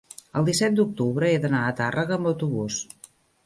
el disset d'octubre he d'anar a Tàrrega amb autobús.